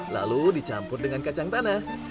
lalu dicampur dengan kacang tanah